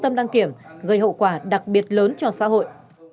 tâm đăng kiểm gây hậu quả đặc biệt lớn cho xã hội